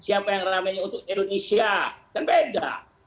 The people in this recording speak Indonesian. siapa yang ramainya untuk indonesia kan beda